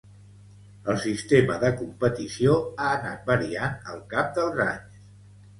El sistema de competició ha anat variant al cap dels anys.